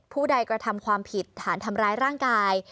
ผู้ใดกระทำความผิดฐานทำร้ายร่างกาย